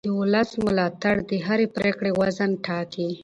د ولس ملاتړ د هرې پرېکړې وزن ټاکي